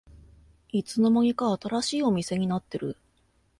いつの間にか新しいお店になってる